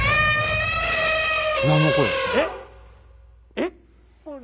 えっ？